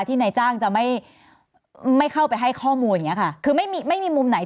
ที่นายจ้างจะไม่เข้าไปให้ข้อมูลคือไม่มีมุมไหน